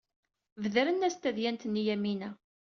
Bedren-as-d tadyant-nni i Yamina.